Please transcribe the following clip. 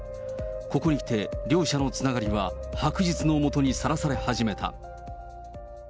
ここにきて、両者のつながりが白日の下にさらされ始めた。